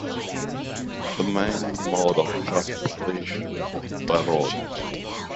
The main mode of transportation is by road.